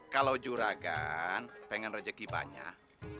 kalau juragan pengen rezeki banyak